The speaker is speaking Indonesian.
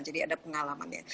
jadi ada pengalamannya